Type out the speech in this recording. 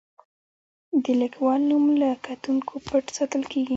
د لیکوال نوم له کتونکو پټ ساتل کیږي.